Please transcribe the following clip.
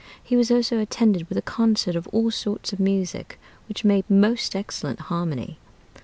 He was also attended with a concert of all sorts of music, which made most excellent harmony.